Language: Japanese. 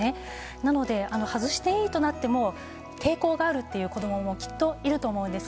なので、外していいとなっても抵抗があるっていう子供もきっといると思うんです。